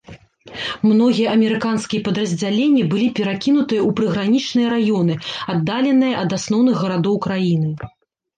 Многія амерыканскія падраздзяленні былі перакінутыя ў прыгранічныя раёны, аддаленыя ад асноўных гарадоў краіны.